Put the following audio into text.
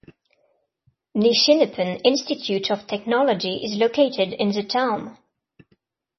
Nishinippon Institute of Technology is located in the town.